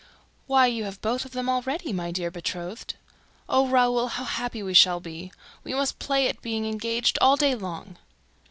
"Why, you have both of them already, my dear betrothed! ... Oh, Raoul, how happy we shall be! ... We must play at being engaged all day long."